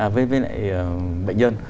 với loại bệnh nhân